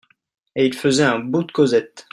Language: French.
Et ils faisaient un bout de causette.